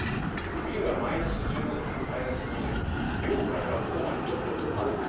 冬はマイナス１５度からマイナス２０度寮から学校までちょっと歩く